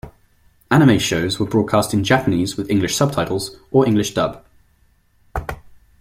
Anime shows were broadcast in Japanese with English subtitles, or English dub.